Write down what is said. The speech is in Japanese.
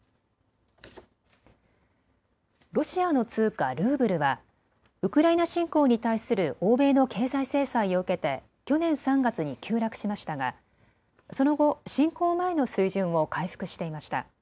ロシアの通貨ルーブルはウクライナ侵攻に対する欧米の経済制裁を受けて去年３月に急落しましたがその後、侵攻前の水準を回復していました。